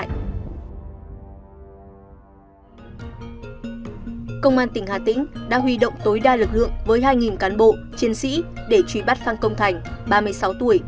công an tỉnh hà tĩnh đã huy động tối đa lực lượng với hai cán bộ chiến sĩ để truy bắt phan công thành ba mươi sáu tuổi